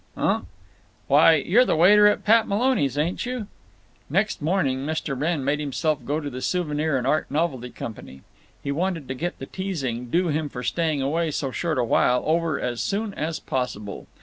"Unk?" "Why, you're the waiter at Pat Maloney's, ain't you?" Next morning Mr. Wrenn made himself go to the Souvenir and Art Novelty Company. He wanted to get the teasing, due him for staying away so short a time, over as soon as possible.